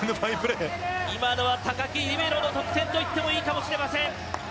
今のは、高木リベロの得点といっていいかもしれません。